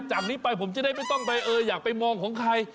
จากนี้ไปผมจะได้ไม่ต้องไปเอออยากไปมองของใคร